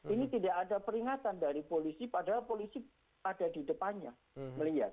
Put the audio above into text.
ini tidak ada peringatan dari polisi padahal polisi ada di depannya melihat